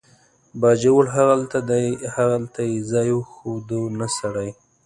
باجوړ هغلته دی، هغلته یې ځای ښوده، نه سړی.